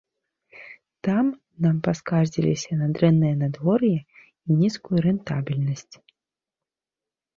Там нам паскардзіліся на дрэннае надвор'е і нізкую рэнтабельнасць.